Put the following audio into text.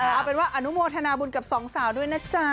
เอาเป็นว่าอนุโมทนาบุญกับสองสาวด้วยนะจ๊ะ